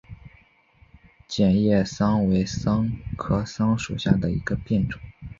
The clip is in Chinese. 戟叶桑为桑科桑属下的一个变种。